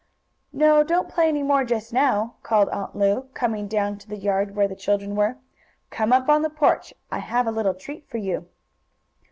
"No, don't play any more just now," called Aunt Lu, coming down to the yard where the children were. "Come up on the porch. I have a little treat for you."